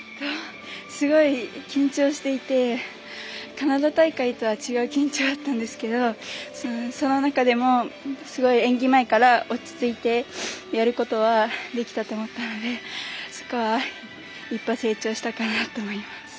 すごい緊張していてカナダ大会とは違う緊張だったんですけどその中でもすごい演技前から落ち着いてやることはできたと思ったのでそこは、一歩成長したかなと思います。